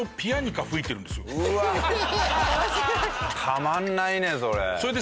たまんないねそれ。